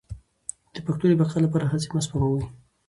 د پښتو د بقا لپاره هڅې مه سپموئ.